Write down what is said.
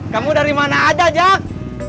kamu dari mana aja jak